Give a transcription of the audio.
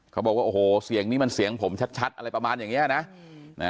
เขาบอกว่าโอ้โหเสียงนี้มันเสียงผมชัดอะไรประมาณอย่างนี้นะ